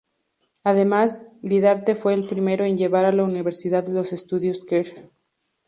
Además, Vidarte fue el primero en llevar a la universidad los estudios queer.